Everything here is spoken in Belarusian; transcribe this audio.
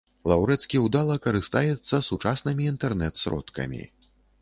Лаўрэцкі ўдала карыстаецца сучаснымі інтэрнэт-сродкамі.